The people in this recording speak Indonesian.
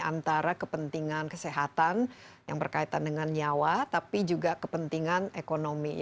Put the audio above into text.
antara kepentingan kesehatan yang berkaitan dengan nyawa tapi juga kepentingan ekonomi